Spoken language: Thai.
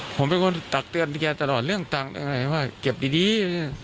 ผมเป็นคนตักเตือนแกตลอดเรื่องตังค์อะไรว่าเก็บดี